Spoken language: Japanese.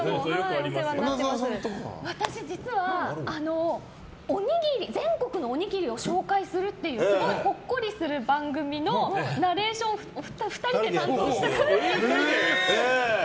私、実は全国のおにぎりを紹介するっていうすごいほっこりする番組のナレーションを２人で担当したことが。